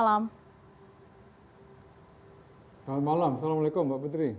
selamat malam assalamualaikum mbak putri